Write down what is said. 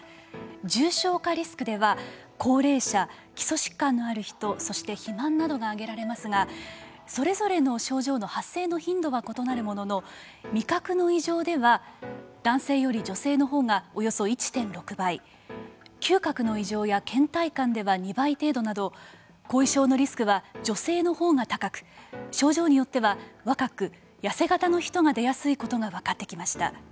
重症化リスクでは高齢者、基礎疾患のある人そして肥満などがあげられますがそれぞれの症状の発生の頻度は異なるものの味覚の異常では男性より女性のほうがおよそ１．６倍嗅覚の異常やけん怠感では２倍程度など後遺症のリスクは女性のほうが高く症状によっては若く、痩せ型の人が出やすいことが分かってきました。